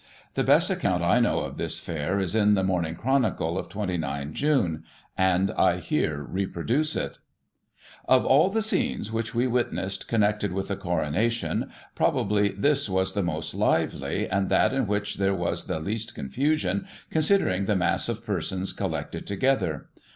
The best account I know of this Fcdr is in The Morning Chronicle of 29 June, and I here reproduce it :" Of all the scenes which we witnessed, connected with the Coronation, probably this was the most lively, and that in which there was the least confusion, considering the mass of persons collected together.